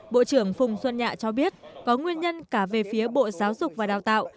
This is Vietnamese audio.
bộ trưởng phùng xuân nhạ cho biết có nguyên nhân cả về phía bộ giáo dục và đào tạo